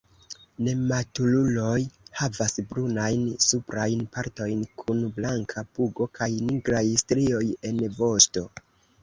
Nematuruloj havas brunajn suprajn partojn, kun blanka pugo kaj nigraj strioj en vosto.